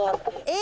え！